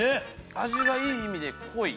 味がいい意味で濃い。